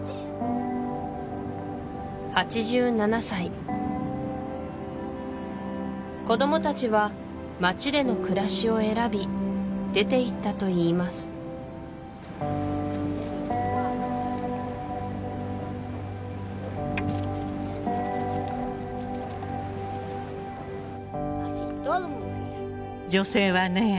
８７歳子どもたちは町での暮らしを選び出ていったといいます女性はね